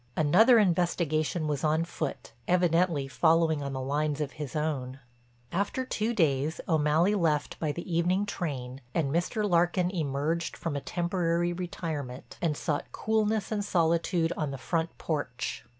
Another investigation was on foot, evidently following on the lines of his own. After two days O'Malley left by the evening train and Mr. Larkin emerged from a temporary retirement, and sought coolness and solitude on the front porch.